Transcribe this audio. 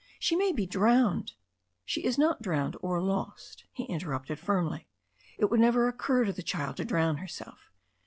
She may be drowned " "She is not drowned or lost," he interrupted firmly. "It would never occur to the child to drown herself.